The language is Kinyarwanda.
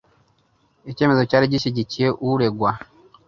Icyemezo cyari gishyigikiye uregwa.